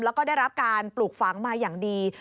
แล้วก็ได้รับการปลูกฝังมาอย่างดี